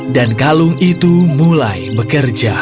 dan kalung itu mulai bekerja